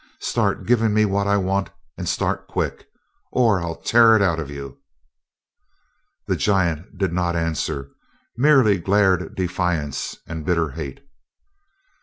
Start giving me what I want, and start quick, or I'll tear it out of you." The giant did not answer, merely glared defiance and bitter hate.